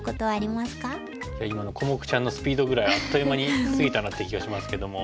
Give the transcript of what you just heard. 今のコモクちゃんのスピードぐらいあっという間に過ぎたなって気がしますけども。